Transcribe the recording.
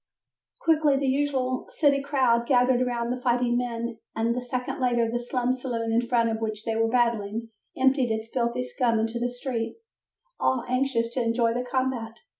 Quickly the usual city crowd gathered about the fighting men and a second later the slum saloon in front of which they were battling, emptied its filthy scum into the street, all anxious to enjoy the combat.